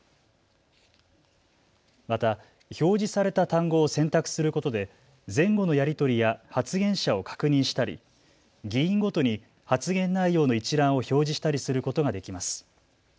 また表示された単語を選択することで前後のやり取りや発言者を確認したり、議員ごとに発言内容の一覧を表示したりすることができます。